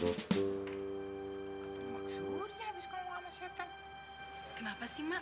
kenapa sih mak